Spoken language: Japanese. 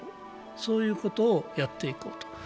そういうことをやっていこうと。